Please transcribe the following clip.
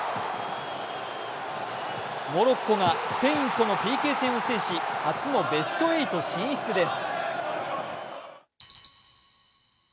モロッコがスペインとのＰＫ戦を制し、初のベスト８進出です。